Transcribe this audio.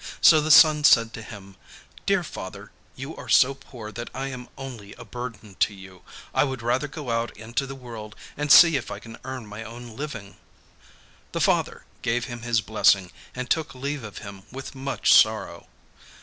So the son said to him, 'Dear father, you are so poor that I am only a burden to you; I would rather go out into the world and see if I can earn my own living.' The father gave him his blessing and took leave of him with much sorrow.